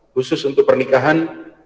khusus untuk pernikahan